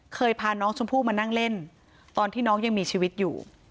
พาน้องชมพู่มานั่งเล่นตอนที่น้องยังมีชีวิตอยู่